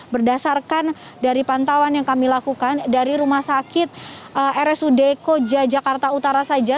berdasarkan dari pantauan yang kami lakukan dari rumah sakit rsud koja jakarta utara saja